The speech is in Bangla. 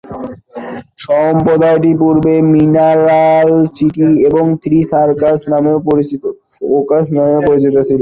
সম্প্রদায়টি পূর্বে "মিনিরাল সিটি" এবং "থ্রি ফোর্কস" নামে পরিচিত ছিল।